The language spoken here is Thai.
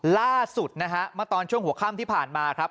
ล่าสุดนะฮะเมื่อตอนช่วงหัวค่ำที่ผ่านมาครับ